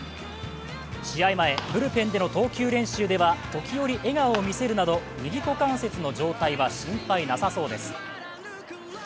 試合前、ブルペンでの投球練習では時折笑顔を見せるなど右股関節の状態は心配なさそうです。